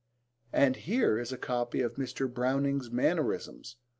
And here is a copy of Mr. Browning's mannerisms.